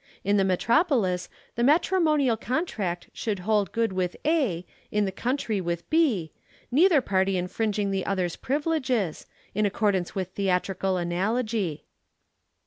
In the metropolis the matrimonial contract should hold good with A, in the country with B, neither party infringing the other's privileges, in accordance with theatrical analogy."